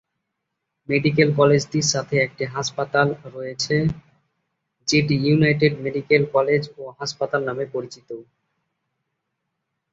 Medical কলেজটির সাথে একটি হাসপাতাল রয়েছে যেটি ইউনাইটেড মেডিকেল কলেজ ও হাসপাতাল নামে পরিচিত।